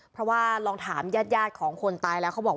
เพราะว่าลองถามญาติของคนตายแล้วเขาบอกว่า